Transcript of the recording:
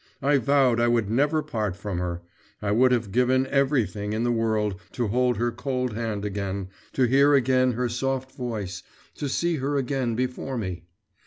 I vowed I would never part from her. I would have given everything in the world to hold her cold hand again, to hear again her soft voice, to see her again before me.